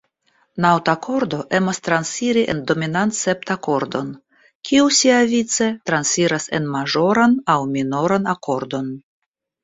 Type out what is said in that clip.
Naŭtakordo emas transiri en dominantseptakordon, kiu siavice transiras en maĵoran aŭ minoran akordon.